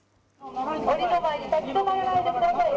おりの前に立ち止まらないでください。